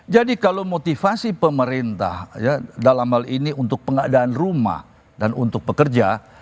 jadi kalau motivasi pemerintah dalam hal ini untuk pengadaan rumah dan untuk pekerja